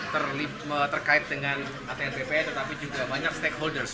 terkait dengan atn bpn tetapi juga banyak stakeholders